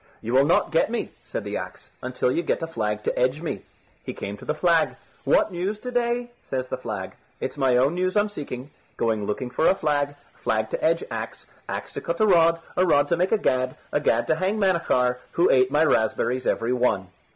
"You will not get me," said the axe, "until you get a flag to edge me." He came to the flag. "What news today?" says the flag. "It's my own news I'm seeking. Going looking for a flag, flag to edge axe, axe to cut a rod, a rod to make a gad, a gad to hang Manachar, who ate my raspberries every one."